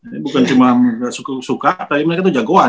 jangan cuma suka tapi mereka tuh jagoan